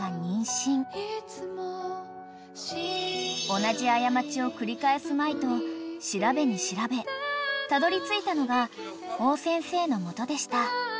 ［同じ過ちを繰り返すまいと調べに調べたどりついたのがおぅ先生の元でした］